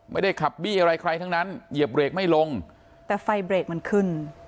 ไม่ได้ขับบี้อะไรใครทั้งนั้นเหยียบเบรกไม่ลงแต่ไฟเบรกมันขึ้น